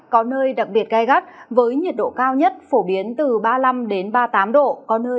có nơi đặc biệt gai gắt với nhiệt độ cao nhất phổ biến từ ba mươi năm đến ba mươi năm độ